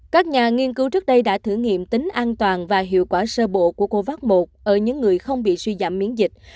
các nhà nghiên cứu trước đây đã thử nghiệm tính an toàn và hiệu quả sơ bộ của covax một ở những người không bị suy giảm miễn dịch